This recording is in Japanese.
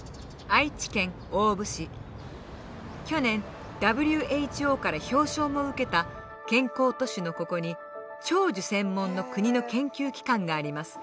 去年ＷＨＯから表彰も受けた「健康都市」のここに「長寿」専門の国の研究機関があります。